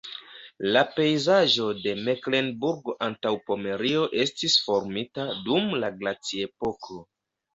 La pejzaĝo de Meklenburgo-Antaŭpomerio estis formita dum la glaciepoko.